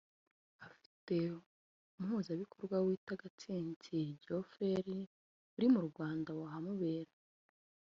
afite umuhuzabikorwa witwa Gatsinzi Geoffrey uri mu Rwanda wahamubera